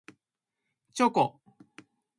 チョコ